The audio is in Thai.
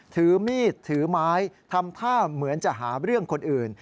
ถือมีดถือไม้ทำท่าเหมือนจะหาเรื่องคนอื่น